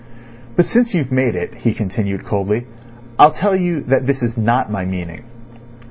"But since you've made it," he continued coldly, "I'll tell you that this is not my meaning."